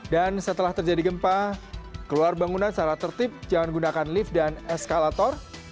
dan setelah terjadi gempa keluar bangunan secara tertib jangan gunakan lift dan eskalator